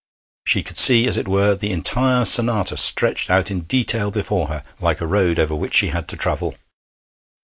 She could see, as it were, the entire sonata stretched out in detail before her like a road over which she had to travel....